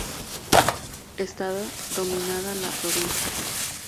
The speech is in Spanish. Esta dominaba la provincia.